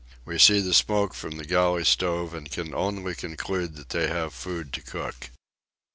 We see the smoke from the galley stove and can only conclude that they have food to cook.